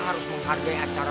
harus menghargai acara